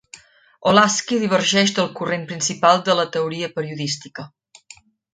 Olasky divergeix del corrent principal de la teoria periodística.